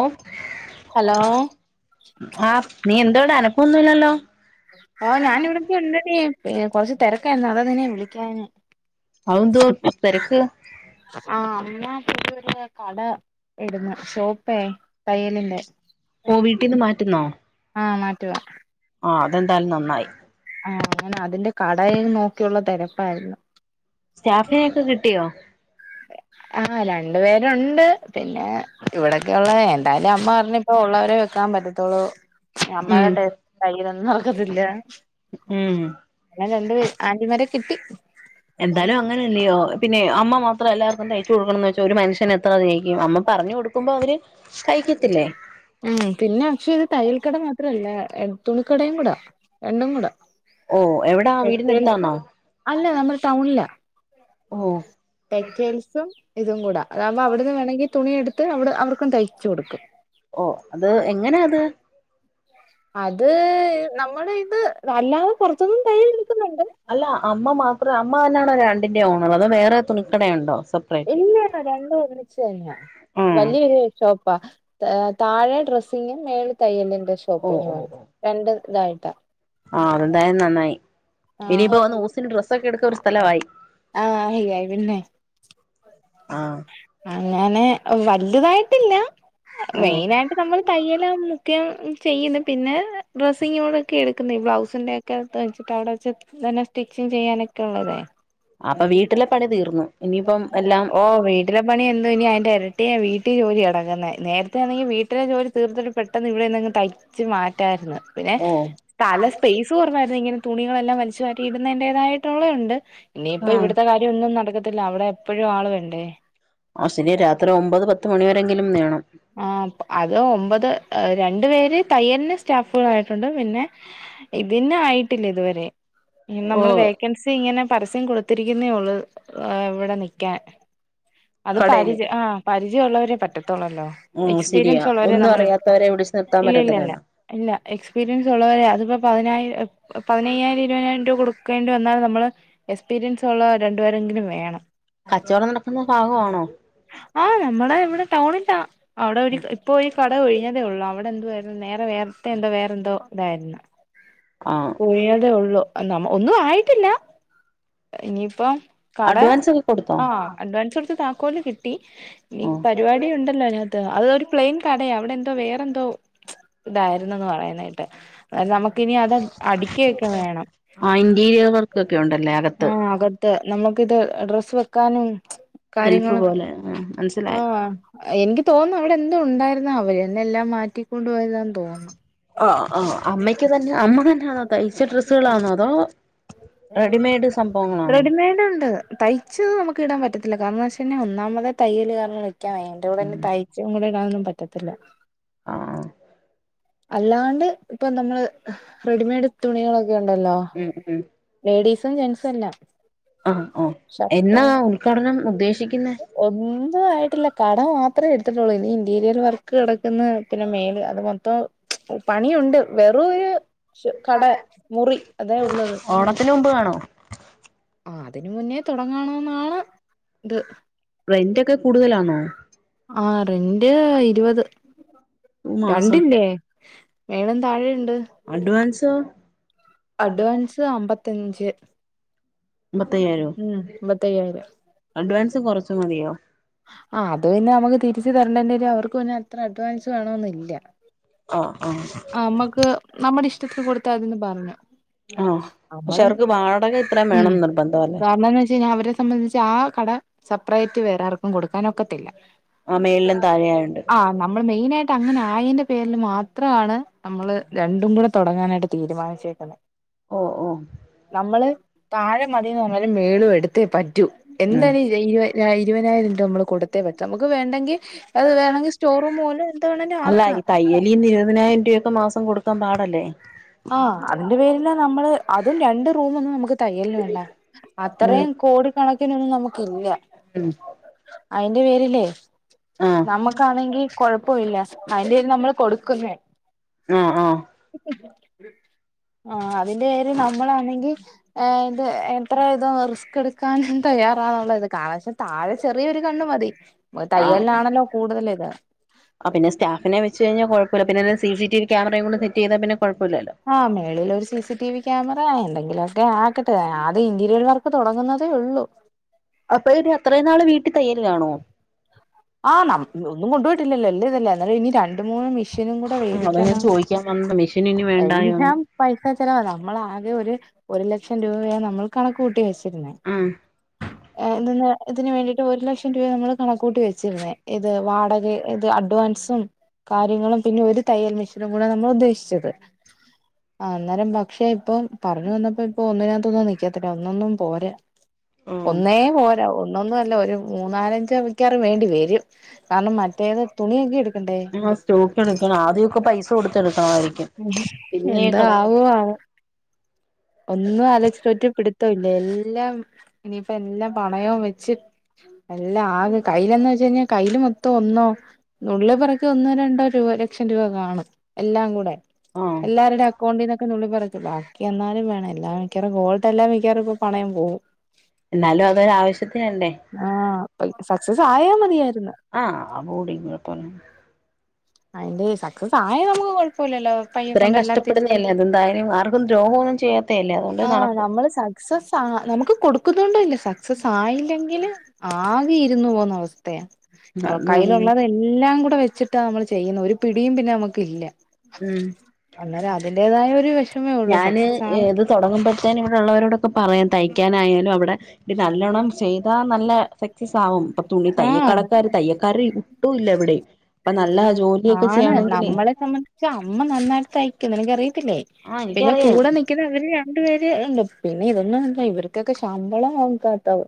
ഓ hello ആഹ് നീ എന്തോവിടെ അനപ്പൊന്നുല്ലല്ലോ ഓ ഞാൻ ഇവിടക്കെ ഇണ്ടടി കൊറച്ച് തിരക്കായിരുന്നു അത നിനെ വിളിക്കാഞ്ഞേ ഔന്തോ തിരക്ക് ആ അമ്മഅച്ഛനരു കട ഇടന്നെ ഷോപ്പേ തയ്യലിന്റെ ഓ വീട്ടീന്ന് മാറ്റുന്നോ ആഹ് മാറ്റുവാ ആഹ് അതെന്തായാലും നന്നായി ആഹ് അങ്ങനെ അതിന്റെ കടയി നോക്കിയുള്ള തിരപ്പായിരുന്നു സ്റ്റാഫിന ഒക്കെ കിട്ടിയോ ആഹ് രണ്ട് പേരുണ്ട് പിന്നെ ഇവിടൊക്കെയൊള്ള എന്തായാലും അമ്മ പറഞ്ഞ ഇപ്പൊ ഉള്ളവരെ വെക്കാൻ പറ്റത്തുള്ളൂ ഉം അമ്മയുടെ ടസ്റ്റ് കയ്യിലൊന്നും നോക്കത്തില്ല ഉം അങ്ങനെ രണ്ടുപേര് ആന്റിമാരെ കിട്ടി എന്തായാലും അങ്ങനെ അകനെല്ലയോ പിന്നെ അമ്മ മാത്രം എല്ലാവർക്കും തയ്ച്ച് കൊടുക്കണന്ന് വെച്ചാ ഒരു മനുഷ്യൻ എത്ര തായിക്കും അമ്മ പറഞ്ഞഞ് കൊടുക്കുമ്പോ അവര് തയ്ക്കത്തില്ലേ [inaudible] ഉം പിന്നാക്ഷേ തയ്യൽകടമാത്രല്ല തുണിക്കടയുംകൂട രണ്ടുംകൂട ഓ ഏഹ് എവിടാ ടെക്സ്റ്റേൽസ് വീടിനടുത്താന്നോ അല്ല നമ്മള് ടൗണിലാ ഓ ടെക്ചയിൽസും ഇതുംകൂടെ അതാവുമ്പഅവ്ട്ന്ന് വേണെങ്കിതുണിഎടുത്ത് അവ്ടെ അവർക്കും തയ്ച്ചുകൊടുക്കും ഓ അത് എങ്ങനെഅത് അത് നമ്മളഇത് അല്ലാതെകൊ അല്ല അമ്മമാത്രഅമ്മതന്ന രണ്ടിന്റെഓണറ് അതോ വേറെതുണിക്കടയുണ്ടൊ സപ്പ്‌റേറ്റ് ഇല്ലന്ന രണ്ടുംഒരുമിച്ച്തന്നെയാ ഉം വല്ല്യരീതിയൊരുഷോപ്പാ താഴെഡ്രസ്സിങ്ങ്മേലെ തയ്യലിൻന്റെ ഓ ഓ ഷോപ്പിങ്ങുംആണ് ഓ രണ്ടുംഇതായിട്ടാ ആഹ് അതെന്തായാലും നന്നായി ഇനിയിപ്പോ വന്ന് ആഹ് ഡ്രസ്സൊക്കെ എടുക്കഒരു സ്ഥലാമായി ഹയ്യായി പിന്നെ ആഹ് അങ്ങനെ വല്ല്യതായിട്ടില്ല ആഹ് മെയിനായിട്ട് നമ്മള് തയ്യലുംമുഖ്യം ചെയ്യുന്നു പിന്നെഡ്രസ്സിങ്ങോടൊക്കെ എടുക്കുന്നു ഈ ബ്ലൗസിൻന്റെ ക്കതേൻച്ചിട്ട് അവ്ടെവെച്ച് തന്നെ സ്റ്റിച്ചിങ്ചെയ്യാനൊക്കെള്ളതേ അപ്പൊ വീട്ടിലെ പണി തീർന്നു ഇനിയിപ്പം എല്ലാം ഓഹ് വീ തിമേപണിഎന്ത്‌ ഇനിഅയിന്റെ ഇരട്ടിയാ വീട്ടിജോലിഎടക്കുന്നേ നേരത്തേണങ്കി വീട്ടിലെജോലി തീർത്ത്ട്ട് പെട്ടെന്ന് ഇവിടെഎന്തെങ്കി തയ്ച്ച്മാറ്റാര്ന്ന് പിന്നേ ഓ പലസ്‌പെയ്സ്കുറവായിരുന്നു ഇങ്ങനെതുണികളെല്ലാംവലിച്ചുമാറ്റി ഇടുന്നതിന്റേതായിട്ടുള്ളേ ഉണ്ട് ഇനിയിപ്പം ആഹ് ഇവിട്ത്തെകാര്യ ഒന്നും നടക്കത്തില്ല അവ്ടെഎപ്പഴുംആള് വേണ്ടേ ആസിനി രാത്രിഒമ്പത്പത്ത്മണി വരേങ്കിലുംവേണം ആഹ് അത്ഒമ്പത് രണ്ട്പേര്തയ്യൽന് സ്റ്റാഫുകളായിട്ടുണ്ട് പിന്നെ ഇതിന്ന്ആയിട്ടില്ലഇതുവരെ ഓ നമ്മള് വേക്കൻസി ഇങ്ങനെപരസ്യംകൊടുത്തിരിക്കുന്നേ ഒള്ളൂ ഇവടെനിക്കാൻ കടയില് അത്പരിച ആഹ് പരിചയഉള്ളവരെേ പറ്റത്തൊള്ളല്ലോ ഉം ശരിയാ എക്സ്പീരിയൻസ് ഉള്ളവരെ ഒന്നും നമ്മൾ എടു അറിയാത്തവരെ പിടിച്ചു നിർത്താൻ ഇല്ല ഇല്ലല്ല പറ്റത്തില്ലല്ലോ ഇല്ല എക്സ്പീരിയൻസ് ഉള്ളവരേയ അത്പ്പോപതിനായി പതിനയ്യായിരം ഇരുപയിനായിരംരൂപകൊടു കേണ്ടി വന്നാൽനമ്മള് എക്സ്പീരിയൻസുള്ള രണ്ടുപേരെങ്കിലുംവേണം കച്ചോടംനടക്കുന്ന ഭാഗം ആണോ ആഹ് നമ്മളഇവിടെ ടൗണില്ലാ അവ്ടെര് ഇപ്പൊഈകട ഒഴിഞ്ഞതേഒള്ളൂ അവ്ടെഎന്ത്‌വേ നേരെ വേറെസ്റ്റേഎന്തോവേറെന്തോ ഇതായിരുന്നു ആഹ് കുഴിയാതേഒള്ളു നമ്മ ഒന്നും ആയിട്ടില്ല ഇനിയിപ്പം കട അഡ്വാൻസ് ഒക്കെ കൊടുത്തോ ആഹ് അഡ്വാൻസ്കൊടുത്ത് താക്കോല്കിട്ടി ആഹ് ഇനിപരിപാടിഉണ്ടല്ലോ അതിന അതൊരു പ്ലെയിൻകടയാഅവിടെ എന്തോവേറെന്തോ ഇതായിന്നൂന്ന് പറയ്ന്നകേട്ട് അത് നമ്മക്കിനി അതൽ അടിക്ക്യയൊക്കെ വേണം ആഹ് ഇന്റീരിയൽവർക്കൊക്കെ ഉണ്ടല്ലേ അകത്ത് നമ്മക്കിത് ഡ്രസ്സ് വെക്കാനും കാര്യങ്ങളും ഷെൽഫ്പോലെ ആഹ് മനസ്സിലായി ആഹ് എനിക്ക് തോന്നുഅവിടെഎന്തോ ഉണ്ടായിരുന്നഅവര് എന്നെഎല്ലാം മാറ്റിക്കൊണ്ടു പോയതാന്ന്തോന്നുന്നു ആആഹ് അമ്മയ്ക്ക്തന്നെ അമ്മതന്നെയാണോതയ്ച്ചഡ്രെസ്സുകളാണോ അതോ റെഡിമെയ്ഡ് സംഭവങ്ങളാണോ റെഡിമേഡ്ഉണ്ട് തൈ ച്ചത് നമ്മക്ക് ഇടാം പറ്റത്തില്ല കാരണം വെച്ചെന്നെ ഒന്നാമതെ തയ്യല് കാരണം വെക്ക വെയി ഉം [unintelligible] തൈ ച്ചും കൂടി ഇടാനൊന്നും പറ്റത്തില്ല ആഹ് അല്ലാണ്ട് ഇപ്പം നമ്മള് റെഡിമേഡ് തുണികളൊക്കെ ഉണ്ടല്ലോ ഉം ഉം ലേഡീസും ജെൻസു അല്ല അഹ് ഓ എന്നാ ഉൽഘാടനം ഉദ്ദേശിക്കുന്നേ ഒന്നും ആയിട്ടില്ല കട മാത്രെ എടുത്തിട്ടുള്ളൂ ഇനി ഇന്റീരിയർ വർക്ക് കിടക്കുന്ന് ത്തിന് മേല് അത് മൊത്തം പണിയുണ്ട് വെറെ [unintelligible] കട മുറി അതെ ഉള്ളത് ഇതിന് മുമ്പ് കാണോ ആ അതിന് മുന്നേ തൊടങ്ങണന്നാണ് ഇത് റെന്റെക്കെ കൂടുതലാണോ ആ റെന്റ് ഇരുവത് ഒരു മാസം രണ്ടില്ലേ മേലും താഴെ ഇണ്ട് അഡ്വാൻസോ അഡ്വാൻസ് അമ്പ ത്തഞ്ച് അമ്പത്തയ്യായിരോ ഉം അമ്പത്തയ്യായിരം അഡ്വാൻസ് കൊറച്ച് [unintelligible] മതിയോ ആ അത് പിന്നെ നമുക്ക് തിര്ച് തര്ണ്ടന്റരും അവർക്ക് പിന്നെ അത്ര അഡ്വാൻസ് വേണമന്നില്ല ആഹ് ആഹ് അമ്മക്ക് നമ്മടെ ഇഷ്ടത്തിൽ കൊടുത്ത മതീന്ന് പർഞ്ഞു ആഹ് പക്ഷെ അവർക്ക് വാടക ഇത്രേം വേണം നിർബന്ധ ല്ലേ കാരണം ന്ന് വെച് കഴിഞ്ഞാ അവരെ സംബന്ധിച്ച് ആ കട സപ്പറേറ്റ് വേറെ ആർക്കും കൊടുക്കാനൊക്കത്തില്ല ആഹ് മേളിലും താഴെയായോണ്ട് ആ ന നമ്മള് മെയിനായിട്ട് അങ്ങനെ ആയന്റെ പേര്ൽ മാത്രാണ് നമ്മള് രണ്ടും കൂടെ തൊടങ്ങാനായിട്ട് തീരുമാനിച്ചേക്കുന്നെ ഓ ഓ നമ്മള് താഴെ മതീന്ന് പർഞ്ഞാലും മേളും എടുത്തേ പറ്റൂ എന്താ ഉം [unintelligible] ഇരുവതിനായിരം രൂപ നമ്മള് കൊടുത്തേ പറ്റൂ നമുക്ക് വേണ്ടെങ്കി അത് വേണങ്കി സ്റ്റോർറൂമ് പോലെ എന്താണെങ്കി ആക്കാം പതിനായിരം രൂപക്കെ മാസം കൊടുക്കാം പാടല്ലേ ആ അതിന്റെ പേരില നമ്മള് അതും രണ്ട് റൂമ് ഒന്നും നമുക്ക് തയ്യൽന് വേണ്ട ഉം അത്രയും കോടിക്കണക്കിനൊന്നും നമുക്ക് ഇല്ല ഉം അയിന്റെ പേരില് ആഹ് നമുക്കാണെങ്കി കോഴ പ്പു ഇല്ല അയിന്റെ പെര്ൽ നമ്മള് കൊടുക്കുന്നെ ആ ആ ആ അതിന്റെ പേര് നമ്മളാണെങ്കി ഇത് എത്ര ഇതം റിസ്ക് എടു കാൻ തയ്യാറാന്നുള്ളത് [unintelligible] താഴെ ചെറിയൊര് കണ്ണ് മതി ആഹ് തയ്യൽനാണല്ലോ കൂടുതല് ഇത് ആ പിന്നെ സ്റ്റാഫിനെ വെച്ച് കഴിഞാ കോഴപ്പല്ല പിന്നെ സി സി ടി വി ക്യാമറയും കൂടെ സെറ്റ് ചെയ്താ പിന്നെ കോഴപ്പല്ലല്ലോ ആ മേളിലൊരു C C T V camera എന്തെങ്കിലോക്കെ ആക്കട്ടെ ആദ്യം ഇന്റീരിയർ വർക്ക് തൊടങ്ങുന്നതേ ഒള്ളു അപ്പ ഇനി അത്രേം നാള് വീട്ടി തയ്യൽലാണോ ആ ന ഒന്നും കൊണ്ടോയിട്ടില്ലല്ലോ എല്ല ഇതല്ലേ അന്നേരം ഇനി ര രണ്ട് മൂന്ന് മിഷീനും കൂടെ അതാ ഞാൻ വെടിക്കണം ചോദിക്കാൻ വന്നത് മെഷീൻ ഇനി വേണ്ടായോന്ന് എല്ലാം പൈസ ചെലവാ നമ്മളാകെ ഒര് ഒരു ലക്ഷം രൂപയാ നമ്മള് കണക്ക് കൂട്ടി വെച്ചിര്ന്നേ ഇത് ന് ഇത് ന് വേണ്ടിട്ട് ഒരു ലക്ഷം രൂപ നമ്മള് കണകൂട്ടി വെ, ചിരിന്ന് ഇത് വാടക ഇത് അഡ്വാൻസും കാര്യങ്ങളും പിന്നെ ഒരു തയ്യൽ മെഷീനും കൂടെ നമ്മൾ ഉദ്ദേശിച്ചത് ആ അന്നേരം പക്ഷേ ഇപ്പം പറഞ്ഞു വന്നപ്പോ ഇപ്പൊ ഒന്നിനകത്ത്ന്നും നൽക്കാത്തില്ല ഒന്നൊന്നും പോരാ ഒന്നേ ഉം പോരാ ഒന്നൊന്നും അല്ല ഒരു മൂന്നാലഞ്ച വക്കാറും വേണ്ടി വരും കാരണം മറ്റേത് തുണിയൊക്കെ എടുക്കണ്ടേ ആ സ്റ്റോക്ക് എടുക്കണം ആദ്യമൊക്കെ പൈസ കൊടുത്തെടുക്കണമായിരിക്കും പിന്നെ എന്താ കടം ആവോ കിട്ടും. ആവോ ഒന്നും അലോജിച്ചിട്ട് ഒരു പിടി ത്തല്ല എല്ലാം ഇനിയിപ്പല്ലാം പണയവും വെച്ച് എല്ലാം ആ കെ കൈയിലന്ന് വെച്ചു കഴിഞ്ഞാൽ കയ്ൽ മൊത്തം ഒന്നും നുള്ളി പറ.. ഒന്നോ രണ്ടോ രൂപ ലക്ഷം രൂപ കാണും എല്ലാം കൂടെ ആഹ് എല്ലാവരുടെ അക്കൗണ്ടിൽന്നൊക്കെ നു ള്ളി പറക്കളാ എന്നാലും വേണം എല്ലാം മിക്കവാറും ഗോൾഡ്ല്ലാം മിക്കാറും ഇപ്പ പണയം പോവും എന്നാലും ആഹ അതൊരു ആവശ്യത്തിനല്ലേ സക്സസ് ആയാ മതിയായിരുന്നു ആഹ് അബൂടിങ്ങോട്ട് വന്ന് അതിന്റെ സക്സസ് ആയ നമുക്ക് കുഴപ്പമില്ലല്ലോ. പയ്യെ ഇത്രയും കൊണ്ടെല്ലാം തിരി കഷ്ടപ്പെടുന്നല്ലേ അതെന്തായാലും ആർക്കും ദ്രോഹൊന്നും ചെയ്യാത്തല്ലേ അതുകൊണ്ട് ആഹ് അത്നടക്കും. നമ്മള് സക്സസ് ആഹ് നമുക്ക് കൊടുക്കുന്നുണ്ട ഇല്ല സക്സസ് ആയില്ലെങ്കില് ആകെ ഇരുന്നു പോവുന്ന അവസ്ഥയ. കയ്യിലുള്ളത് എല്ലാം കൂടെ വെച്ചിട്ട നമ്മള് ചെയ്യുന്ന ഒരു പിടിയും പിന്നെ നമ്മുക്ക് ഇല്ല. ഉം അന്നേരം അതിന്റേതായ ഒരു വെഷ ഞാന് ഇ ഇത് തുടങ്ങുമ്പഴത്തെനും ഇവിടെ ഉള്ളവരോടൊക്കെ പറയാൻ തയ്ക്കാനായാലും അവിടെ ഇത് നല്ലോണ്ണം ചെയ്താൽ നല്ല സക്സസ് ആകും ഇപ്പൊ തുണി തയ്യക്കടക്കാര് ആഹ് തയ്യക്കാര് ഒട്ടും ഇല്ല ഇവിടെയും അപ്പ നല്ല ജോ ആണ് നമ്മളെ സംബന്ധിച്ച് അമ്മ നന്നായിട്ട് തയക്കും നിനക്കറിയത്തില്ലേ ആഹ് പിന്നെ എനിക്കറിയാം കൂടെ ക്ക്ന്നവർ അവര് രണ്ടു പേര് ഇണ്ട് പിന്നെ ഇതൊന്നും അല്ല ഇവർക്കൊക്കെ ശമ്പളം നക്കാത്തവ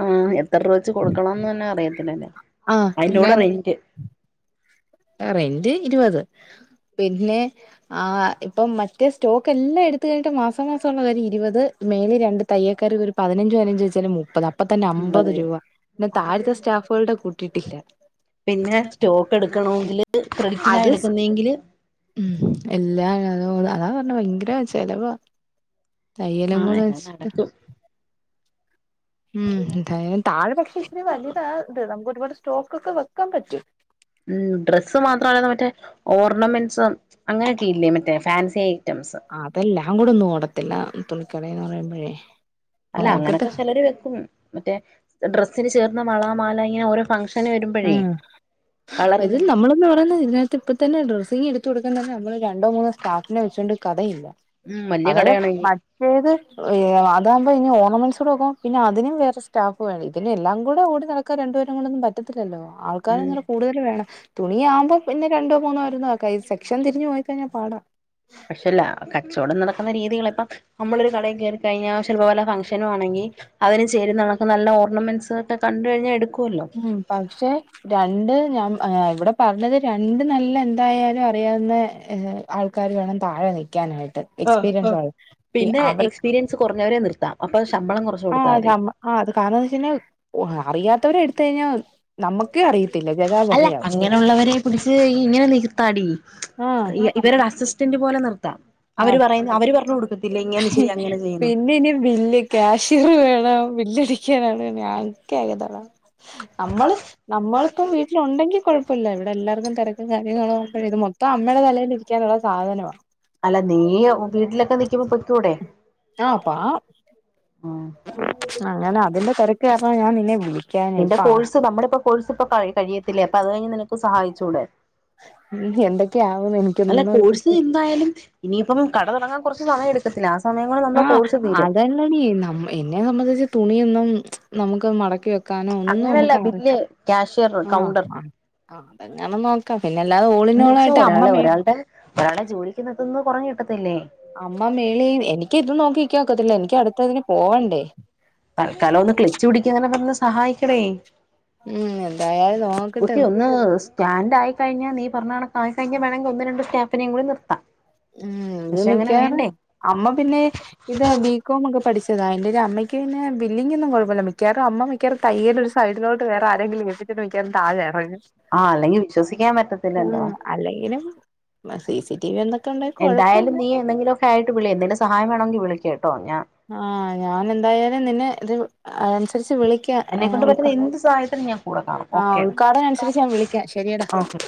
ആഹ് എത്ര രൂപ വെച്ച് കൊടുക്കണംന്ന് തന്നെ അറിയത്തില്ലല്ലേ ആഹ് അതിന്റെ കൂടെ റെന്റ്. ആഹ് റെന്റ് ഇരുപത് പിന്നെ. ആഹ് ഇപ്പം മറ്റേ സ്റ്റോക്ക് എല്ലാം എടുത്തു കഴിഞ്ഞിട്ട് മാസ മാസംണ് അതം ഇരുപത് മെയ്‌സ് രണ്ട് തയ്യക്കാർ ഒരു പതിനഞ്ചച് പതിനഞ്ചച് വെച്ചാല് മുപ്പത അപ്പ തന്നെ അമ്പത് രൂപ പിന്നെ താഴത്തെ സ്റ്റാഫുകളുടെ കൂട്ടിയിട്ടില്ല. പിന്നെ സ്റ്റോക്ക് എടുക്കണമെങ്കില് ക്രെഡിറ്റിനാ അത് എടുക്കുന്നതെങ്കില് ഉം എല്ലാത അതാ പറഞ്ഞ ഭയങ്കര ചെലവ. തയ്യലും ആഹ് കൂടെ എല്ലാം ഇഷ്ട നടക്കും ഉം താഴെ താഴെ പക്ഷെ ഇച്ചരി വലുതാ ഇത് നമുക്ക് ഒരുപാട് സ്റ്റോക്ക് ഒക്കെ വെക്കാൻ പറ്റും. ഉം ഡ്രസ്സ് മാത്രല്ല മറ്റേ ഓർണമെന്റ്സും അങ്ങനെയൊക്കെ ഇല്ലേ മറ്റേ ഫാൻസിയി റ്റംസ്. ആഹ് അതെല്ലാം കൂടെ ഒന്നുംഓടത്തില്ല തുളിക്കടന്ന് പറയുമ്പോഴേ അല്ല നോക്കട്ടെ അങ്ങനെയൊക്കെ ചിലര് വെക്കും മറ്റേ ഡ്രസ്സിന് ചേർന്ന വള മാല ഇങ്ങനെ ഓരോ ഫംഗ്ഷൻ അങ്ങനെ വരുമ്പോഴേ കളർന്ന എന്ന് പറുന്നത് ഇതിനകത്ത് ഇപ്പ തന്നെ ഡ്രസ്സിങ് എടു കൊടുക്കൻ തന്നെ നമ്മള് രണ്ടോ മൂന്നോ സ്റ്റാഫിനെ വെച്ചുകൊണ്ട് കഥയില്ല. വലിയ അവരെ കടയാണെങ്കിൽ ബഡ് ഏത് അതാകുമ്പോ ഇനി ഓർണമെന്റ്സ കൂടെ നോക്കും പിന്നെ അതിനും വേറെ സ്റ്റാഫ് വേണം ഇതിനെ എല്ലാം കൂടെ ഓടി നട ഒക്കെ രണ്ടു പേ രും കൂടൊന്നും പറ്റത്തില്ലോ ആൾക്കാരെ ഉം കൂടുതൽ വേണം തുണിയാകുമ്പോ പിന്നെ രണ്ടോ മൂന്നോ ആക്ക സെക്ഷൻതിരിഞ് പോയിക്കഴിഞ്ഞാ പാടാ. പക്ഷേല്ല കച്ചവടം നടക്കുന്ന രീതികളിപ്പം നമ്മളൊരു കടയിൽ കയറി കഴിഞ്ഞാൽ ചിലപ്പ വല്ല ഫംഗ്ഷനു ആണെങ്കിൽ അതിന് ചേരുന്ന കണക്ക് നല്ല ഓർണമെന്റ്സ് ഒക്കെ കണ്ടു കഴിഞ്ഞാൽ എടുക്കുമല്ലോ ഉം പക്ഷെ രണ്ട് ഞാൻ ഏഹ് ഇവിടെ പറഞ്ഞത് രണ്ട് നല്ല എന്തായാലും അറിയാവുന്ന ആൾക്കാര് വേണം താഴെ നിൽക്കാനായിട്ട്. ആഹ് എക്സ്പീരിയൻസ് ആഹ് പിന്നെ [unintelligible] അവർക്ക് എക്സ്പീരിയൻസ് കുറഞ്ഞവരെ നിർത്താം അപ്പൊ ശമ്പളം കുറച്ച് കൊടുത്താൽ ആഹ് മതി നമ്മ ആഹ് അത് കാരണം വെച്ച് കഴിഞ്ഞാൽ അറിയാത്തവരെ എടുത്ത കഴിഞ്ഞാ അല്ല അങ്ങനെയുള്ളവരെ പിടിച്ച് ഇങ്ങനെ നി തടി ആഹ് ഇവരുടെ അസിസ്റ്റന്റ് പോലെ നിർത്താം. അവര് അഹ് പറയുന്ന അവര് പറഞ്ഞു കൊടുക്കത്തില്ലേ ഇങ്ങനെ ചെയ്യ് അങ്ങനെ ചെയ്യന്ന് പിന്നെ ഇനി വില്ലി കാശ്യർ വേണം ബില്ലടിക്കാൻ [unintelligible] നമ്മള് നമ്മൾപ്പ വീട്ടില് ഉണ്ടെങ്കി കുഴപ്പല്ല ഇവിടെ എല്ലാർക്കും തിരക്ക [unintelligible] ഇത് മൊത്തം അമ്മയുടെ തലയിൽ ഇരിക്കാനുള്ള സാധനവാ. അല്ല നീ വീട്ടിലൊക്കെ നിൽക്കുമ്പോ പൊക്കൂടെ. ആഹ്പ്പാ ആഹ്. അങ്ങനെ അതിന്റെ തിരക്ക് കാര്ണ ഞാൻ നിന്നെ വിളി ക്കാനാ നിന്റെ ഇപ്പ കോഴ്സ് നമ്മളിപ്പോ കോഴ്സ് ഇപ്പൊ കഴിയത്തില്ലേ അപ്പൊ അത് കഴിഞ്ഞ് നിനക്ക് സഹായിച്ചൂടെ ഉം എന്തൊക്കെ ആവുന്നു അല്ല എനിക്കൊന്നും ഒരു കോഴ്സ് പ്രശന എന്തായാലും ഇനിയിപ്പം കട തുടങ്ങാൻ കുറച്ച് സമയം എടുക്കത്തില്ല ആ സമയം കൊണ്ട് നമ്മുടെ ആഹ് കോഴ്സ് തീരും അതന് അനിയെ നം ഇന്നെ സംബന്ധിച്ച് തുണിയൊന്നും നമുക്ക് മടക്കി വെക് ക്കാനോ ഒന്നും അങ്ങനല്ല ബില്ല് മ്മക്ക്റി ക്യാഷ്യർ ആഹ് കൗണ്ടർ ആഹ് ആഹ് അതെങ്ങന നോക്കതില്ല പിന്നല്ലാതെ എന്ന് ഓളിനോളായിട്ട് അമ്മ മേ തിനതുന്ന് കുറഞ്ഞ് കിട്ടത്തില്ലേ അമ്മ മേളേ എനിക്ക് ഇതും നോക്കിക്ക ഒക്കത്തില്ല എനിക്കടുത്തതിന് തൽക്കാലവൊന്ന് ക്ലിച്ചു പിടിക്കങനെന്ന് സഹായിക്കണേ ഉം എന്തായാലും നോ ഓക്കെ ഒന്ന് സ്റ്റാന്റ് ആയിക്കഴിഞ്ഞ നീ പറഞ്ഞ കണക്കായി കഴിഞ വേണങ്കി ഒന്ന് രണ്ട് സ്റ്റാഫി നീം കൂടി നിർത്താം ഉം പക്ഷെ അങ്ങനെ മിക്കാറ് വേണ്ടേ അമ്മ പിന്നെ ഇതാ ബീ കോമൊക്കെപ്പഠിച്ചതാ എന്റെല് അമ്മയ്ക്ക് പിന്നെ ബില്ലിങ്ങൊന്നും കൊഴപ്പല്ല മിക്കാറ അമ്മ മി ക്ക്യാറും തയ്യേന്റൊര് സൈഡിലോട്ട് വേറാരെങ്കിലും വെപ്പിച്ചിട്ട് മിക്കർ താഴെ എറങ്‌ ആഹ് അല്ലെങ്കിൽ വിശ്വസിക്കാൻ ആഹ് പറ്റത്തില്ലല്ലോ അല്ലെങ്കിലും സി സി ടിവി ന്താ എന്തായാലും നീ എന്നെങ്കിലൊക്കെ ആയിട്ട് വിളി. എന്തെലും സഹായം വേണോങ്കി വിളിക്ക് ട്ടോ ഞാ ആഹ് ഞാനെന്തായാലും നിന്നെ ത് അനുസരിച്ച് വിളിക് യ്ക എന്നെ ഏഹ് കൊണ്ട് ഓൽക പറ്റുന്ന എന്ത് സഹായത്തിനും ഞാൻ കൂടെ കാണും ആഹ് ഓക്കെ ഉൾക്കാടന അനുസരിച്ച് ഞാൻ വിളിക്ക ശരിയടാ ഓക്കെ